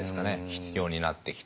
必要になってきて。